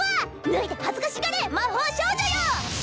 脱いで恥ずかしがれ魔法少女よ！